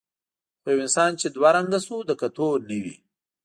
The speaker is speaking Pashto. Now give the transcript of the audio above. خو یو انسان چې دوه رنګه شو د کتو نه وي.